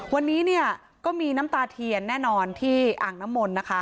วันนี้เนี่ยก็มีน้ำตาเทียนแน่นอนที่อ่างน้ำมนต์นะคะ